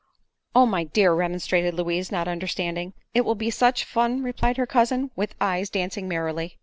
"Oh, my dear!" remonstrated Louise, not understanding. "It will be such fun," replied her cousin, with eyes dancing merrily.